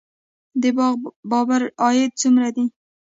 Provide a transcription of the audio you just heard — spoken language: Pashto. د باغ بابر عاید څومره دی؟